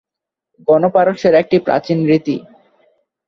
পণ পারস্যের একটি প্রাচীন রীতি।